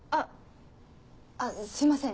あすいません